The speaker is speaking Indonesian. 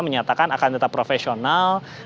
menyatakan akan tetap profesional